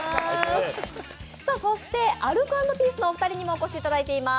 そしてアルコ＆ピースのお二人にもお越しいただいています。